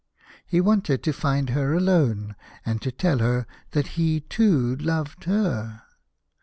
He wanted to find her alone, and to tell her that he too loved her.